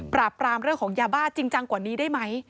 ปราบปรามเรื่องของยาบ้าจริงจังกว่านี้ได้ไหม